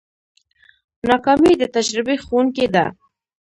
ناکامي د تجربې ښوونکې ده.